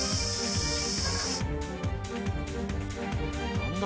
・何だ